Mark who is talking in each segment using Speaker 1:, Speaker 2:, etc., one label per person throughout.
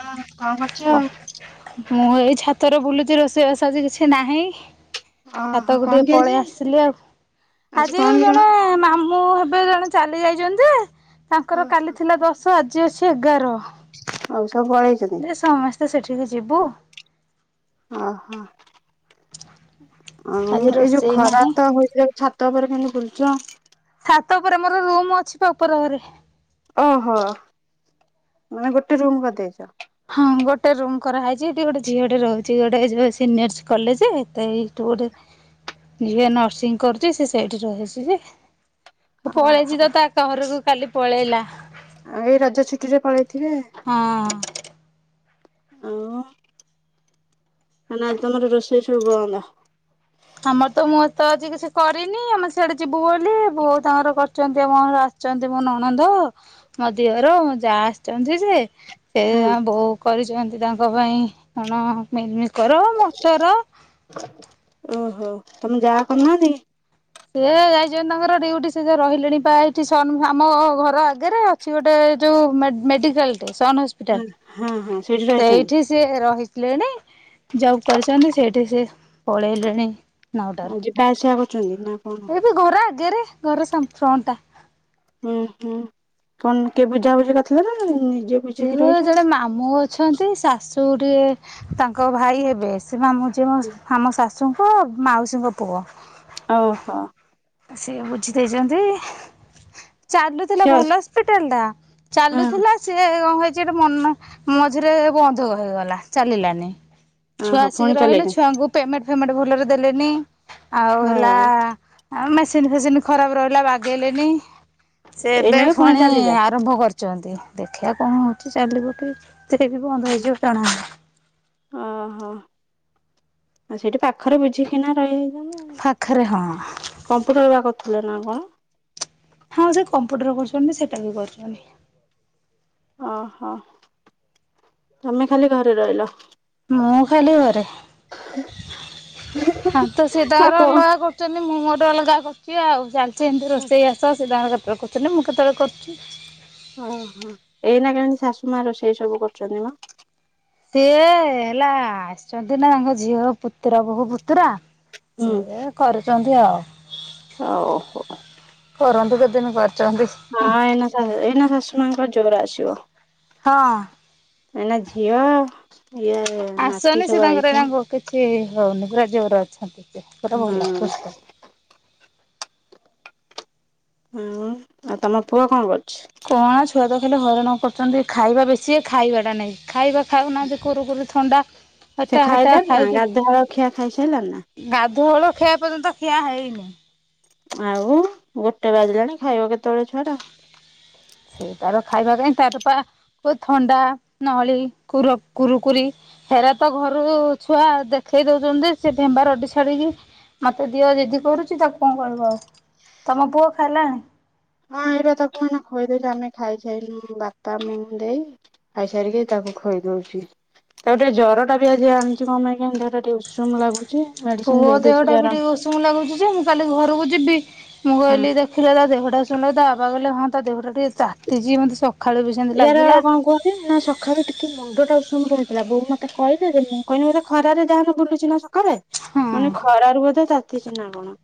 Speaker 1: ହଁ କଣ କରୁଛ?
Speaker 2: ମୁଁ ଏଇ ଛାତରେ ବୁଲୁଛି ରୋଷେଇବାସ ଆଜି କିଛି ନାହିଁ।
Speaker 1: ଓହୋ
Speaker 2: ଛାତକୁ
Speaker 1: କଣ
Speaker 2: ଟିକେ
Speaker 1: କି ଆଜି
Speaker 2: ପଳେଇ ଆସିଲି ଆଉ ଆଜି
Speaker 1: କଣ କି
Speaker 2: ଜଣେ
Speaker 1: କଣ?
Speaker 2: ମାମୁଁ ହେବେ ଜଣେ ଚାଲି ଯାଇଛନ୍ତି ଯେ ତାଙ୍କର କାଲି ଥିଲା ଦଶ ଆଜି ଅଛି ଏଗାର।
Speaker 1: ଆଉ ସବୁ ପଳେଇଛନ୍ତି।
Speaker 2: ଯେ ସମସ୍ତେ ସେଠିକୁ ଯିବୁ।
Speaker 1: ଅହ। ଆଁ
Speaker 2: ଆଜି
Speaker 1: ଏଇ ଯୋଉ
Speaker 2: ରୋଷେଇ ନାହିଁ
Speaker 1: ଖରାତ ହୋଇଛି ଛାତ ଉପରେ କାଇଁ ବୁଲୁଛ?
Speaker 2: ଛାତ ଉପରେ ମୋର ରୁମ ଅଛି ବା ଉପର ଘରେ।
Speaker 1: ଓହୋ ମାନେ ଗୋଟେ ରୁମ୍ କରିଦେଇଛ।
Speaker 2: ହଁ ଗୋଟେ ରୁମ କରାହେଇଛି ଏଠି ଗୋଟେ ଝିଅଟେ ରହୁଛି ଗୋଟେ ସିନିୟର କଲେଜ ଏ ଗୋଟେ ଝିଅ ନର୍ସିଂ କରୁଛି ସେ ସେଇଠି ରହିଛି ଯେ ତ
Speaker 1: ଓହୋ।
Speaker 2: ପଳେଇଚି ତ ତା ଘରକୁ କାଲି ପଳେଇଲା।
Speaker 1: ଆଉ ଏଇ ରଜ ଛୁଟିରେ ପଳେଇଥିବେ।
Speaker 2: ହଁ।
Speaker 1: ନା ଆଜି ତମର ରୋଷେଇ ସବୁ ବନ୍ଦ।
Speaker 2: ଆମର ତ ମୁଁ ଏ ତ ଆଜି କିଛି କରିନି ଆମେ ସିଆଡେ ଯିବୁ ବୋଲି ବୋଉ ତାଙ୍କର କରି ଆସିଛନ୍ତି ଆମ ଆସିଛନ୍ତି ମୋ ନଣନ୍ଦ ମୋ ଦିଅର ଯା ଆସିଛନ୍ତି ଯେ ସେ ଆମ ବୋଉ କରିଛନ୍ତି ତାଙ୍କ ପାଇଁ କଣ ମିଲମିକର ମଟର
Speaker 1: ଓହୋ ତମ ଯା କରୁନାହାନ୍ତି କି?
Speaker 2: ସେ ଯାଇଛନ୍ତି ତାଙ୍କର ଡିଉଟି ସେ ରହିଲେଣି ପା ଏଇଠି ସନ୍ ଆମ ଘର ଆଗରେ। ଅଛି ଗୋଟେ ଯୋଉ ମେ ମେଡିକାଲ୍ ଟେ ସନ୍ ହ
Speaker 1: ହଁ ହଁ ସେଇଠି ରହିଛନ୍ତି।
Speaker 2: ସେ ରହିଥିଲେଣି ଜବ୍ କରିଛନ୍ତି ସେଇଠି ସେ ପଳେଇଲେଣି।
Speaker 1: ଆଉ ଯିବା ଆସିବା କରୁଛନ୍ତି ନା? କଣ?
Speaker 2: ଏଇବି ଘର ଆଗରେ ଘର ସମ୍ ଫ୍ରନ୍ଟଟା।
Speaker 1: ହୁଁ ହୁଁ କଣ କିଏ ବୁଝାବୁଝି କରିଥିଲେ ନା ନିଜେ? ବୁଝିକି
Speaker 2: ସେ
Speaker 1: ରହିଛନ୍ତି?
Speaker 2: ଜଣେ ମାମୁଁ ଅଛନ୍ତି ଶାଶୁ ଟିକେ ତାଙ୍କ ଭାଇ ହେବେ ସେ ମାମୁଁ ଝିଅ ଆମ ଶାଶୁଙ୍କୁ ମାଉସୀଙ୍କ ପୁଅ।
Speaker 1: ଓହୋ।
Speaker 2: ସିଏ ବୁଝି ଦେଇଚନ୍ତି। ଚାଲୁଥିଲା
Speaker 1: ସିଏ
Speaker 2: ଭଲ ହସ୍ପିଟାଲ ଟା
Speaker 1: ହଁ
Speaker 2: ଚାଲୁଥିଲା ସିଏ କଣ ହେଇଛି ଗୋଟେ ମନ ମଝିରେ ବନ୍ଧ ହେଇଗଲା ଚାଲିଲାନି। ଛୁଆ
Speaker 1: ଓହୋ
Speaker 2: ଆସିକି
Speaker 1: ପୁଣି
Speaker 2: ରହିଲେ
Speaker 1: ଚଲେଇଲେ
Speaker 2: ଛୁଆଙ୍କୁ ପେମେଣ୍ଟ ଫେମେଣ୍ଟ ଭଲରେ ଦେଲେନି ଆଉ
Speaker 1: ହଁ
Speaker 2: ହେଲା ଆ ମେସିନ୍ ଫେସିନ୍ ଖରାପ ରହିଲା ବାଗେଇଲେନି ସେ ଏବେ
Speaker 1: ଏଇନାକେ
Speaker 2: ପୁଣି
Speaker 1: ଚାଲିଲା।
Speaker 2: ଆରମ୍ଭ କରି ଛନ୍ତି ଦେଖିବା କଣ ହଉଛି ଚାଲିବ କି ସେଟା ବି ବନ୍ଦ ହେଇଯିବ ଜଣା ନାହିଁ।
Speaker 1: ଓହୋ ଆଉ ସେଇଠି ପାଖରେ ବୁଝିକିନା ରଇହେବ।
Speaker 2: ପାଖରେ ହଁ।
Speaker 1: କମ୍ପ୍ୟୁଟର ବା କରିଥିଲେ ନା କଣ?
Speaker 2: ହଁ ସେ କମ୍ପୁଟର କରିଛନ୍ତି ସେଟା ବି କରିଛନ୍ତି।
Speaker 1: ଓହୋ ତମେ ଖାଲି ଘରେ ରହିଲ?
Speaker 2: ମୁଁ ଖାଲି ଘରେ ଆ ତ ସିଏ
Speaker 1: ଆଉ
Speaker 2: ତାଙ୍କର
Speaker 1: କଣ
Speaker 2: ଅଲଗା କରୁ କରୁଛନ୍ତି ମୁଁ ମୋର ଅଲଗା କରୁଛି ଆଉ ଚାଲିଛି ଏମିତି ରୋଷେଇ ବାସ ସେ ତାଙ୍କର କେତବେଳେ କରୁଛନ୍ତି ମୁଁ କେତବେଳେ କରୁଛି।
Speaker 1: ଓହୋ ଏଇନା କେମିତି ଶାଶୁ ମା ରୋଷେଇ ସବୁ କରୁଛନ୍ତି ମ?
Speaker 2: ସିଏ ହେଲା ଆସିଛନ୍ତି ନା ତାଙ୍କ ଝିଅ ପୁତୁରା ବୋହୁ ପୁତୁରା।
Speaker 1: ହୁଁ
Speaker 2: ସିଏ କରୁଛନ୍ତି ଆଉ।
Speaker 1: ଓହୋ।
Speaker 2: ରନ୍ଧ କେତେଦିନ କରୁଛନ୍ତି?
Speaker 1: ହଁ ଏନା ଏନା ଶାଶୁମାଙ୍କର ଜୋର ଆସିବ।
Speaker 2: ହଁ।
Speaker 1: ମାନେ ଝିଅ ଇଏ। ନାତି
Speaker 2: ଆସିନି ସେ
Speaker 1: ସବୁ ଆଇଛନ୍ତି।
Speaker 2: ତାଙ୍କରଙ୍କୁ କିଛି ହଉନି ପୁରା ଜୋର ଅଛନ୍ତି ସେ ପୁରା ଭଲ
Speaker 1: ହୁଁ
Speaker 2: ସୁସ୍ଥ।
Speaker 1: ହଁ ଆଉ ତମ ପୁଅ କଣ କରୁଛି?
Speaker 2: କଣ ଛୁଆ ତ ଖାଲି ହଇରାଣ କରୁଛନ୍ତି ଖାଇବା ବେଶି ଖାଇବାଟା ନାଗି। ଖାଇବା ଖାଉ ନାହାନ୍ତି କୁରୁକୁରି ଥଣ୍ଡା
Speaker 1: ସେ
Speaker 2: ହେଟା ହେଟା
Speaker 1: ଖାଇଲାଣି ନା ଗାଧୁଆଳ ଖିଆ ଖାଇସାଇଲାଣି ନା?
Speaker 2: ଗାଧୁଆଳୁ ଖିଆ ପର୍ଯ୍ୟନ୍ତ ଖିଆ ହେଇନି।
Speaker 1: ଆଉ ଗୋଟେ ବାଜିଲାଣି ଖାଇବ କେତବେଳେ ଛୁଆ ଟା?
Speaker 2: ସେଇ ତାର ଖାଇବା କାଇଁ ତାର ପା ଥଣ୍ଡା ନଳି କୁର କୁରୁକୁରି। ହେରା ତ ଘରୁ ଛୁଆ ଦେଖେଇ ଦଉଛନ୍ତି ସେ ଭେମ୍ବା ରଡି ଛାଡିକି ମତେ ଦିଅ ଯିଦି କରୁଛି ତାକୁ କଣ କହିବ ଆଉ ତମ ପୁଅ ଖାଇଲାଣି?
Speaker 1: ହଁ ଏଇରା ତାକୁ ଏଇନା ମୁଁ ଖୋଇଦେଉଛି ଆମେ ଖାଇସାଇନୁ ବାପା ମୁଁ ଦେଇ। ଖାଇସାରିକି ତାକୁ ଖୋଇ ଦଉଛି। ତାକୁ ଟିକେ ଜ୍ୱର ଟା ବି ଆଜି ଆଣିଛି କଣ ପାଇଁ କେୟାଣୀ ଦେହ ଟା ଟିକେ ଉଷୁମ ଲାଗୁଛି। ମେଡିସିନ
Speaker 2: ପୁଅ
Speaker 1: ଦେଇଦେଇଛି
Speaker 2: ଦେହଟା ବି
Speaker 1: ଜର
Speaker 2: ଟିକେ ଉଷୁମ ନାଗୁଛି ଯେ ମୁଁ କାଲି ଘରକୁ ଯିବି ମୁଁ
Speaker 1: ହୁଁ
Speaker 2: କହିଲି ଦେଖ [inaudible] ତା ଦେହଟା ଶୁଣିଲ ତା ବାବା କହିଲେ ତା ଦେହଟା ଟିକେ ତାତିଛି ମତେ ସକାଳୁ ସେମିତି
Speaker 1: ୟାର
Speaker 2: ଲାଗିଲା
Speaker 1: କଣ କୁହନ୍ତି ନା ସକାଳୁ ଟି କି ମୁଣ୍ଡ ଟା ଉଷୁମ ରହିଥିଲା ବୋଉ ମତେ କହିଲେ ଯେ ମୁଁ କହିଲି ବୋଧେ ଖରାରେ ଯାହାହେନେ ବୁଲୁଛି ନା ସକାଳେ।
Speaker 2: ହଁ
Speaker 1: ମାନେ ଖରାରୁ ବୋଧେ ତାତିଛି ନା କଣ।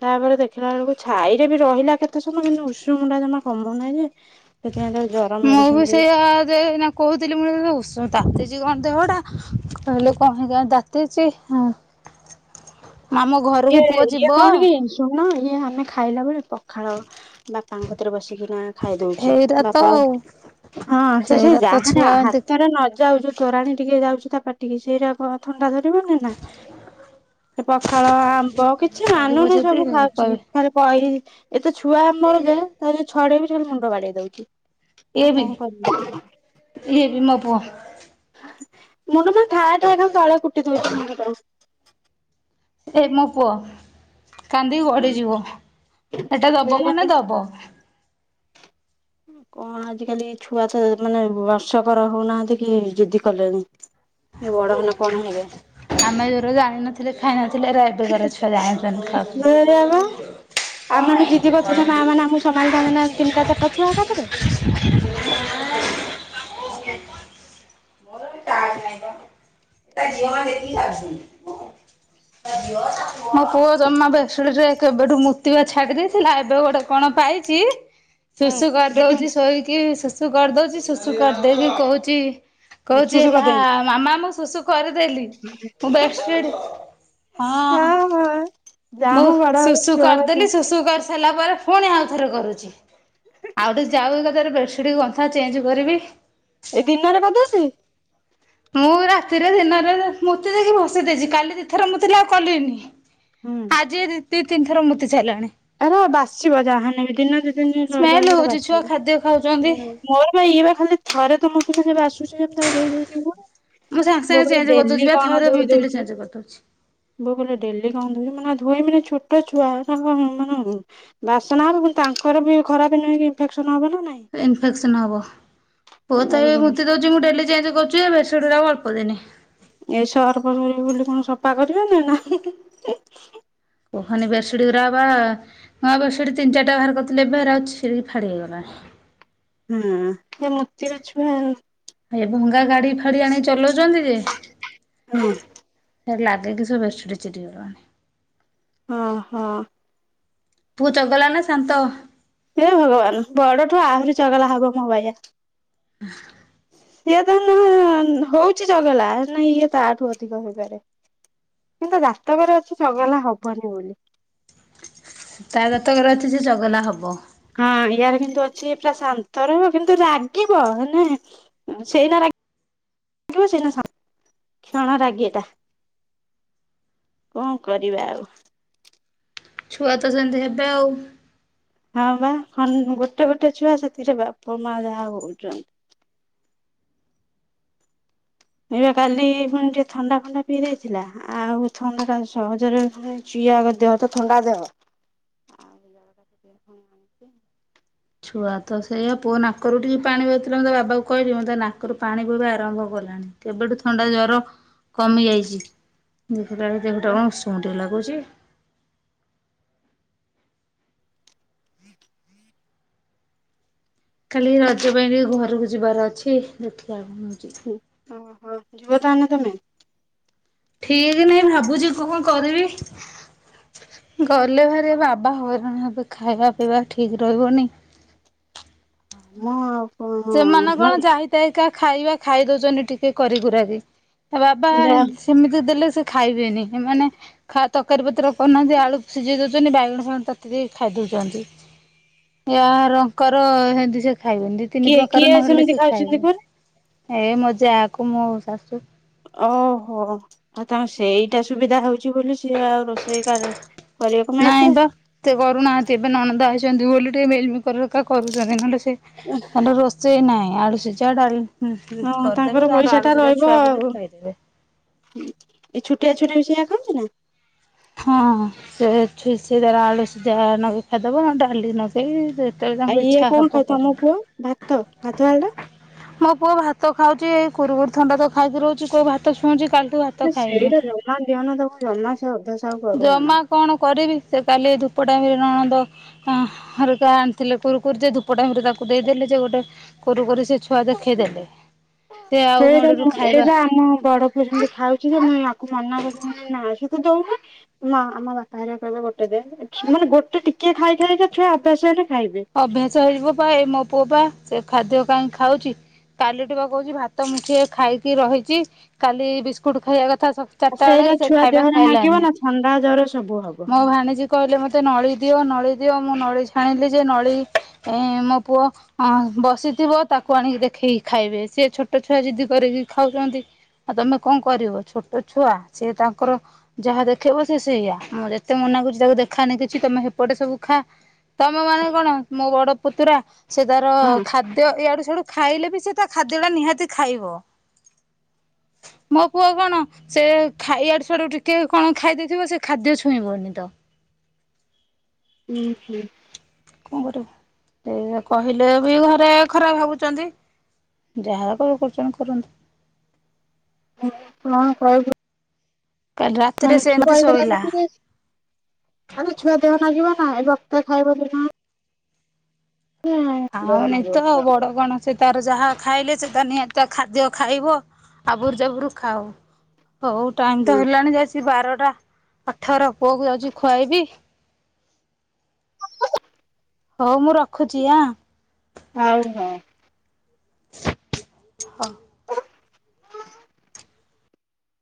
Speaker 1: ତାପରେ ଦେଖିଲା ବେଳକୁ ଛାଇରେ ବି ରହିଲା କେତେ ସମୟ କିନ୍ତୁ ଉଷୁମୁ ଟା ଜମା କମୁନାହିଁ ଯେ? ସେଥିପାଇଁ ତାକୁ ଜର
Speaker 2: ମୁଁ
Speaker 1: ମେଡିସିନ
Speaker 2: ବି
Speaker 1: ଦେଇଛି
Speaker 2: ସେଇଆ ଯେ ଏଇନା କହୁଥିଲି ମୁଁ ଏଇନା ଉସୁମ୍ ତାତିଛି କଣ ଦେହଟା କହିଲେ କଣ ପାଇଁ କେଜାଣି ତାତିଛି ହଁ। ମାମୁଁ ଘରକୁ ପୁଅ ଯିବ।
Speaker 1: ଲୁଣ ଇଏ ଆମେ ଖାଇଲା ବେଳେ ପଖାଳ ବାପାଙ୍କ କତିରେ ବସିକିନା ଖାଇଦୋଉଛି
Speaker 2: ହେଇରା ତ
Speaker 1: ବାପା
Speaker 2: ଆଉ
Speaker 1: ହଁ ସେ ସେଇ
Speaker 2: ସେଇରା ତ
Speaker 1: ଯାହା
Speaker 2: ଛୁଆ ଏମିତି
Speaker 1: ହାତରେ ନ ଯାଉ ତୋରାଣୀ ଟିକେ ଯାଉଛି ତା ପାଟିକି ସେଇରାକ ଥଣ୍ଡା ଧରିବନେଇନା। ଫଳ ଆମ୍ବ କିଛି
Speaker 2: କହିବ
Speaker 1: ମାନୁନି
Speaker 2: ଯଦି
Speaker 1: ସବୁ ଖାଉଛି।
Speaker 2: କହିବେ
Speaker 1: ଥରେ କଇ ଏତେ ଛୁଆ ଆମର ଯେ ଯଦି ଛଡେଇବି ସିଏ ଖାଲି ମୁଣ୍ଡ ବାଡେଇ ଦୋଉଛି।
Speaker 2: ଇଏ
Speaker 1: ତ
Speaker 2: ବି
Speaker 1: କଣ କରିବି?
Speaker 2: ଇଏ ବି ମୋ ପୁଅ
Speaker 1: ମୁଣ୍ଡ ମାନେ ଠାଏ ଠାଏ ଖାଲି ତଳେ କୁଟି ଦୋଉଛି ମୁଣ୍ଡ ଟାକୁ।
Speaker 2: ଏ ମୋ ପୁଅ କାନ୍ଦିକି ଗଢିଯିବ ଏଟା ଦବ ମାନେ ଦବ।
Speaker 1: କଣ ଆଜିକାଲି ଛୁଆ ତ ମାନେ ବର୍ଷକର ହଉନାହାନ୍ତି କି ଜିଦି କଲେଣିି। ଇଏ ବଡ ହେନେ କଣ ହେବେ?
Speaker 2: ଆମେ ଜୋଉରି ଜାଣିନଥିଲେ ଖାଇ ନଥିଲେ ଏରା ଏବେକାର ଛୁଆ ଜାଣୁଛନ୍ତି
Speaker 1: ସେଇଆ ବା
Speaker 2: ଖାଉଛନ୍ତି।
Speaker 1: ଆମେ ଏମିତି ଜିଦି କରୁଥିଲେ ମା ମାନେ ଆମକୁ ସମାଳିିଥାନ୍ତେନା ତିନିଟା ଚାରିଟା ଛୁଆ ଏକାଥରେ।
Speaker 2: ମୋର ଟାଇମ ନାହିଁ ପା ଏ ଝିଅ ମାନେ ଦେଖକି ଯାଉଛନ୍ତି। ମୋ ପୁଅ ଜମା ବେଡସିଟରେ କେବେଠୁ ମୁତିିବା ଛାଡ଼ି ଦେଇଥିଲା ଏବେ ଗୋଟେ କଣ ପାଇଚି ଶୁଶୁ କରିଦଉଛି ଶୋଇକି ଶୁଶୁ କରିଦୋଉଚି ଶୁଶୁ କରିଦେଇକି କହୁଛି
Speaker 1: ହୁଁ
Speaker 2: କହୁଛି
Speaker 1: ସୁସୁ
Speaker 2: ହେଲା
Speaker 1: କରିଦେମି।
Speaker 2: ମାମା ମୁଁ ଶୁଶୁ କରିଦେଲି ମୁଁ ବେଡସିଡି ହଁ।
Speaker 1: ହଁ ହଁ ଯାହା
Speaker 2: ମୁଁ
Speaker 1: ହଉ ବଡ ହଉ
Speaker 2: ଶୁଶୁ
Speaker 1: ଛୁଆ କଥା
Speaker 2: କରିଦେଲି ଶୁଶୁ କରି ସାରିଲା ପରେ ଫୁଣି ଆଉ ଥରେ କରୁଛି। ଆଉ ଟିକେ ଯାଉ ଏକଥାର ବେଡସିଟ୍ ଗନ୍ଥା ଚେଞ୍ଜ କରିବି।
Speaker 1: ଏଇ ଦିନରେ କରିଦୋଉଚି।
Speaker 2: ମୁଁ ରାତିରେ ଦିନରେ ମୁତି ଦେଇକି ବସେଇ ଦେଇଛି କାଲି ଦିଥର ମୁତିଲା ଆଉ କଲିନି।
Speaker 1: ହୁଁ।
Speaker 2: ଆଜି ଦି ତିନିଥର ମୁତି ସାରିଲାଣି।
Speaker 1: ହେରା ବାସିବ ଯାହା ହେନେବ ଦିନ ଦୁଇ ଦିନ ରହି
Speaker 2: ସ୍ମେଲ
Speaker 1: ରହି
Speaker 2: ହଉଛି ଛୁଆ
Speaker 1: ବାସିବ
Speaker 2: ଖାଦ୍ୟ ଖାଉଛନ୍ତି।
Speaker 1: ହୁଁ। ମୋର ବା ଇଏ ବା ଖାଲି ଥରେ ତ ମୁତି ଦେଲେ ବାସୁ [unintelligible] ଧୋଇ ଦଉଛି ଫୁଣି
Speaker 2: ମୁଁ ସାଙ୍ଗେ ସାଙ୍ଗେ
Speaker 1: ବୋଉ କଇବେ
Speaker 2: ଚେଞ୍ଜ କରିଦଉଛି
Speaker 1: ଡେଲି
Speaker 2: ବା
Speaker 1: କଣ
Speaker 2: ଥରେ
Speaker 1: ଧୋଇ
Speaker 2: ମୂର୍ତ୍ତିଲେ
Speaker 1: ଦଉଚୁ।
Speaker 2: ଚେଞ୍ଜ କରିଦଉଛି।
Speaker 1: ବୋଉ କହିଲେ ଡେଲି କଣ ଧୋଉଛୁ ମୁଁ କହିନି ଆଉ ଧୋଇମିନି ଛୋଟ ଛୁଆ ତାଙ୍କ ମା ହବ ବାସନା ହବ ଫୁଣି ତାଙ୍କର ବି ଖରାପ ନୁହେକି ଇନଫେକ୍ସନ ହବ ନା ନାଇଁ।
Speaker 2: ଇନଫେକ୍ସନ ହବ ପୁଅ ତ ଏବେ
Speaker 1: ନାଇଁ।
Speaker 2: ମୁତିଦୋ ମୁଁ ଡେଲି ଚେଞ୍ଜ କରୁଛି ବେଡସିଡିଉରାକ ଅଳ୍ପ ଦିନି।
Speaker 1: ଏ ସର୍ଫ ରୁହେ ବୋଲି କଣ ସଫା କରିବେ ନା ହୁଁ ହୁଁ।
Speaker 2: କହନି ବେଡସିଟ ଗୁରା ବା ହଁ ବେଡସିଟ ତିନ ଚାରିଟା ବାହାର କରିଥିଲି ଏବେ ହେରା ଛିଡିକି ଫାଡ଼ି ହେଇଗଲାଣି।
Speaker 1: ହୁଁ ଏ ମୁତିବା ଛୁଆ ଆଉ।
Speaker 2: ଏ ଭଙ୍ଗା ଗାଡି ଫାଡି ଆଣିକି ଚଲଉଛନ୍ତି ଯେ?
Speaker 1: ହୁଁ।
Speaker 2: ସେରା ଲାଗିକି ସବୁ ବେଡସିଡି ଚିରିଗଲାଣି।
Speaker 1: ଅଁ ହଁ।
Speaker 2: ପୁଅ ଚଗଲା ନା ଶାନ୍ତ।
Speaker 1: ହେ ଭଗବାନ ବଡଠୁ ଆହୁରି ଚଗଲା ହବ ମୋ ବାଇୟା।
Speaker 2: ହ।
Speaker 1: ସିଏତ ହେନେ ହଉଛି ଚଗଲା ହେନେ ଇଏ ତାଠୁ ଅଧିକ ହେଇପାରେ। କିନ୍ତୁ ଜାତକରେ ଅଛି ଚଗଲା ହବନି ବୋଲି।
Speaker 2: ତା ଜାତକରେ ଅଛି ସେ ଚଗଲା ହବ।
Speaker 1: ହଁ ଇୟାର କିନ୍ତୁ ଅଛି ପୁରା ଶାନ୍ତର କିନ୍ତୁ ରାଗିବ ହେନେ ସେଇନା ରାଗ ଥିବ ସେଇନା ସାକ୍ଷଣ ରାଗିଟା। କଣ କରିବା ଆଉ?
Speaker 2: ଛୁଆ ତ ସେନ୍ତି ହେବେ ଆଉ
Speaker 1: ହଁ ବା ଗୋଟେ ଗୋଟେ ଛୁଆ ସେଥିରେ ବାପ ମା ଯାହା ହଉଛନ୍ତି। ଏଇବା କାଲି ପୁଣି ଟିକେ ଥଣ୍ଡା ଫଣ୍ଡା ପିଇ ଦେଇଥିଲା। ଆଉ ଥଣ୍ଡା ସହଜରେ ଚିଆଗ ଦେହ ତ ଥଣ୍ଡା ଦେହ [inaudible]
Speaker 2: ଛୁଆ ତ ସେଇଆ ପୁଅ ନାକରୁ ଟିକେ ପାଣି ବୋହୁଥିଲା ମୁଁ ତା ବାବାକୁ କହିଲି ତା ନାକରୁ ପାଣି ବୋହିବା ଆରମ୍ଭ କଲାଣି କେବେଠୁ ଥଣ୍ଡା ଜ୍ବର କମିଯାଇଛି ଏବେ ତା ଦେହଟା କଣ ଉଶୁମୁ ଟିକେ ଲାଗୁଛି। କାଲି ରଜ ପାଇଁ ଟିକେ ଘରକୁ ଯିବାର ଅଛି ଦେଖିବା କଣ ହଉଛି?
Speaker 1: ଓହୋ ଯିବ ତାହେଲେ ନା ତମେ
Speaker 2: ଠିକ ନାଇଁ ଭାବୁଛି କଣ କରିବି? ଗଲେ ଭାରି ବାବା ହଇରାଣ ହେବେ ଖାଇବା ପିଇବା ଠିକ୍ ରହିବନି।
Speaker 1: ମୁଁ ଆଉ
Speaker 2: ସେମାନେ କଣ ଯାଇଥାଇକା ଖାଇବା ଖାଇ ଦଉଛନ୍ତି ଟିକେ କରିିକୁରାକି ତା ବାବା
Speaker 1: ଯା
Speaker 2: ସେମିତି ଦେଲେ ସେ ଖାଇବେନି ମାନେ ତରକାରୀ ପତ୍ର କରୁନାହାନ୍ତି ଆଳୁ ସିଝେଇ ଦଉଛନ୍ତି ବାଇଗଣ ଫାଇଗଣ ତତେଇ ଖାଇଦଉଛନ୍ତି। ୟାରଙ୍କର ହେନ୍ତି ସେ ଖାଇବେନି ଦି ତିନି
Speaker 1: କିଏ
Speaker 2: ପ୍ରକାର
Speaker 1: କିଏ
Speaker 2: ନହେଲେ
Speaker 1: ସେମିତି
Speaker 2: ସେ
Speaker 1: ଖାଉଛନ୍ତି
Speaker 2: ଖାଇବେ
Speaker 1: କୁହନି
Speaker 2: ଏ ମୋ ଯା କୁ ମୋ ଶାଶୁ
Speaker 1: ଓହୋ ଆଉ ତାଙ୍କ ସେଇଟା ସୁବିଧା ହଉଛି ବୋଲି ସିଏ ଆଉ ରୋଷେଇ କ
Speaker 2: ନାଇଁ ବା ସେ କରୁନାହାନ୍ତି ଏବେ ନଣନ୍ଦ ଆଇଛନ୍ତି ବୋଲି ଟିକେ ମିଲିମିକର କରୁଛନ୍ତି ନହେଲେ ସେ ମାନେ ରୋଷେଇ ନାହିଁ ଆଳୁ ସିଜା ଡାଲି ହୁଁ ହୁଁ
Speaker 1: ହଁ ତାଙ୍କର
Speaker 2: କରିଦେବେ
Speaker 1: ପଇସା ଟା
Speaker 2: ଆଳୁ ସିଜା
Speaker 1: ରହିବ
Speaker 2: ଛୁଆକୁ
Speaker 1: ଆଉ
Speaker 2: ବି ଖୁଆଇଦେବେ
Speaker 1: ଏଇ ଛୁଟିଆଛୁଆ ବି ସେଇଆ ଖାଉଛି ନା
Speaker 2: ହଁ ସେ ଛୁ ସେ ତାର ଆଳୁ ସିଜା ନଗେଇ ଖାଇଦବ ନହେଲେ ଡାଲି ନଗେ ଇ ଯେତେବେଳେ
Speaker 1: ଆଉ
Speaker 2: ତାଙ୍କ
Speaker 1: ଇଏ
Speaker 2: ଇଚ୍ଛା
Speaker 1: କଣ ଖାଉ
Speaker 2: ହବ କରିି
Speaker 1: ତମ ପୁଅ ଭାତ ଭାତ ଆଳୁଟା
Speaker 2: ମୋ ପୁଅ ଭାତ ଖାଉଛି ଏଇ କୁରୁକୁଡି ଥଣ୍ଡା ତ ଖାଇକି ରହୁଛି କୋଉ ଭା ତ ଛୁଉଁଛି କାଲି ଠୁ
Speaker 1: ସେଇରା ଜମା ଦିଅନା ତାକୁ ଜମା ସେ ଅଭ୍ୟାସ ଆଉ କରନା
Speaker 2: ଜମା କଣ କରିବି ସେ କାଲି ଧୂପ ଟାଇମରେ ନଣନ୍ଦ ହରିକା ଆଣିଥିଲେ କୁରୁକୁରି ଯେ ଧୂ ଧୂପ ଟାଇମରେ ତାକୁ ଦେଇଦେଲି ଯେ ଗୋଟେ କୁରୁକୁରି ସେ ଛୁଆ ଦେଖେଇ ଦେଲେ ସେ ଆଉ ମୁଳୁରୁ ଖାଇବା
Speaker 1: ସିଏ ସେମିତି ଖାଉଛି ଯେ ମୁଁ ଆକୁ ମନା କରୁଚି ନା ସେ ତ ଦଉନି। ନା ଆମ ବାପା ହାରିଆ କହିବେ ଗୋଟେ ଦେ ମାନେ ଗୋଟେ ଟିକେ ଟିକେ ଖାଇ ଖାଇ ଛୁଆ ଅଭ୍ୟାସ ହେଲେ ଖାଇବେ
Speaker 2: ଅଭ୍ୟାସ ହେଇଯିବ ପା ଏ ମୋ ପୁଅ ପା ସେ ଖାଦ୍ୟ କାହିଁ ଖାଉଛି? କାଲି ଠୁ ବା କହୁଛି ଭାତ ମୁଠିଏ ଖାଇକି ରହିଛି କାଲି ବିସ୍କୁଟ ଖାଇବା କଥା ସ ଚାରଟା ବେଳେ
Speaker 1: ସେଇଟା
Speaker 2: ସେ
Speaker 1: ଛୁଆ
Speaker 2: ଖାଇବା
Speaker 1: ଦେହରେ ଲାଗିବ
Speaker 2: ଖାଇଲାଣିି
Speaker 1: ନା ଥଣ୍ଡା ଜର ସବୁ ହବ
Speaker 2: ମୋ ଭାଣୀଜୀ କହିଲେ ମୋତେ ନଳି ଦିଅ ନଳି ଦିଅ ମୁଁ ନଳି ଛାଣିଲି ଯେ ନଳି ଏଁ ମୋ ପୁଅ ହଁ ବସିଥିବ ତାକୁ ଆଣିକି ଦେଖେଇକି ଖାଇବେ ସିଏ ଛୋଟ ଛୁଆ ଯିଦି କରିକି ଖାଉଛନ୍ତି। ଆଉ ତମେ କଣ କରିବ ଛୋଟ ଛୁଆ ସେ ତାଙ୍କର ଯାହା ଦେଖେଇବ ସେ ସେଇଆ ମୁଁ ଯେତେ ମନା କରୁଛି ତାକୁ ଦେଖାନି କିଛି ତମେ ହେପଟେ ସବୁ ଖା ମୁଁ ମାନେ କଣ ମୋ ବଡ ପୁତୁରା ସେ ତାର
Speaker 1: ହଁ।
Speaker 2: ଖା ଦ୍ୟ ୟାଆଡୁ ସିୟାଡୁ ଖାଇଲେ ବି ସେ ତା ଖାଦ୍ୟ ଟା ନିହାତି ଖାଇବ। ମୋ ପୁଅ କଣ ସେ ଖା ଇଆଡୁ ସିଆଡୁ ଟିକେ କଣ ଖାଇଦେଇଥିବ ସେ ଖାଦ୍ୟ ଛୁଇଁବନି ତ
Speaker 1: ହୁଁ ହୁଁ।
Speaker 2: କଣ କରିବୁ କହିଲେ ବି ଘରେ ଖରାପ୍ ଭାବୁଛନ୍ତି? ଯାହା କରୁ କରୁଛନ୍ତି କରନ୍ତୁ।
Speaker 1: କଣ କହିବୁ?
Speaker 2: କାଲି
Speaker 1: ମେ
Speaker 2: ରାତିରେ
Speaker 1: ଛୁଆ
Speaker 2: ସେମିତି ଶୋଇଲା
Speaker 1: ହେଇ ଆରେ ଛୁଆ ଦେହ ଲାଗିବ ନା ଏ ବକ୍ତେ ଖାଇବ ଦିନ ମାନେ
Speaker 2: ଆଉ ନି
Speaker 1: ନାଗିବ
Speaker 2: ତ ଆଉ
Speaker 1: ଛୁଆ
Speaker 2: ବଡ଼ କଣ ସେ ତାର ଯାହା ଖାଇଲେ ସେତ ନିହାତି ଖାଦ୍ୟ ଖାଇବ ଆବୁରୁ ଜାବୁରୁ ଖାଉ ହଉ ଟାଇମ୍ ତ
Speaker 1: ହଁ
Speaker 2: ହେଲାଣି ଯାଇକୀ ବାରଟା ଅଠର ପୁଅକୁ ଯାଉଛି ଖୁଆଇବି। ହଉ ମୁଁ ରଖୁଛି ଆଁ।
Speaker 1: ଆଉ କଣ
Speaker 2: ହଁ।